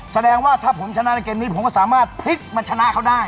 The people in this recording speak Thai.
แสดงว่าถ้าผมชนะในเกมนี้ผมก็สามารถพลิกมาชนะเขาได้